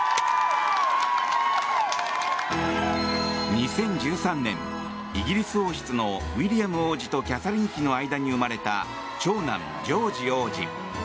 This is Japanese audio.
２０１３年、イギリス王室のウィリアム王子とキャサリン妃の間に生まれた長男ジョージ王子。